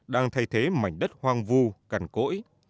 đang thay thế mảnh đất hoang vu cằn cỗi